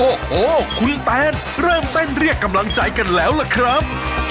โอ้โหคุณแตนเริ่มเต้นเรียกกำลังใจกันแล้วล่ะครับ